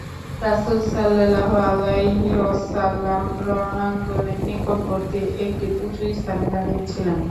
রাসূল সাল্লাল্লাহু আলাইহি ওয়াসাল্লাম রণাঙ্গনের নিকটবর্তী একটি উঁচু স্থানে দাঁড়িয়ে ছিলেন।